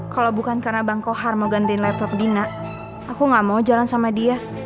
kalau bukan karena bang kohar mau gantiin laptop dina aku gak mau jalan sama dia